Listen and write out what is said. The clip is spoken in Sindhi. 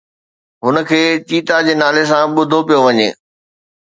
هن کي چيتا جي نالي سان ٻڌو پيو وڃي